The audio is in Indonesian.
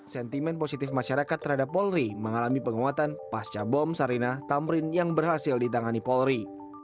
sentimen positif masyarakat terhadap polri mengalami penguatan pasca bom sarinah tamrin yang berhasil ditangani polri